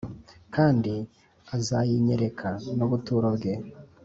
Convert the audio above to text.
kandi azayinyereka n’ubuturo bwe.